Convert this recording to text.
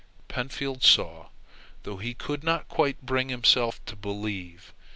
Pentfield saw, though he could not quite bring himself to believe.